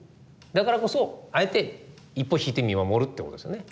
だからこそあえて一歩引いて見守るってことですよね。